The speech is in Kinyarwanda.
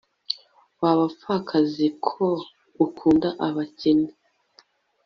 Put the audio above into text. wabapfakazi ko ukunda abakene